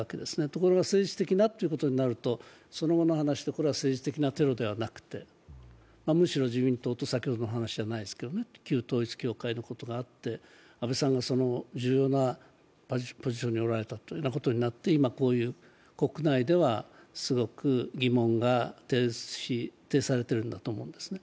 ところが政治的なということになると、その後の話では政治的なテロではなくて、むしろ自民党と旧統一教会のことがあって、安倍さんが重要なポジションにおられたということになって今、こういう国内ではすごく疑問が呈されているんだと思うんですね。